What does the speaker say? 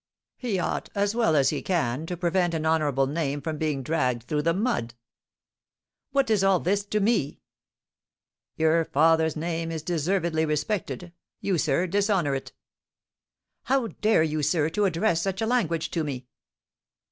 "He ought, as well as he can, to prevent an honourable name from being dragged through the mud." "What is all this to me?" "Your father's name is deservedly respected; you, sir, dishonour it." "How dare you, sir, to address such language to me?"